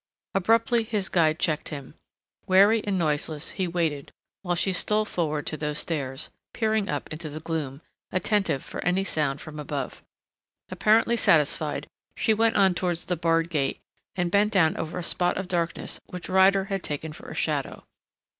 Abruptly his guide checked him. Wary and noiseless he waited while she stole forward to those stairs, peering up into the gloom, attentive for any sound from above.... Apparently satisfied, she went on towards the barred gate, and bent down over a spot of darkness which Ryder had taken for a shadow.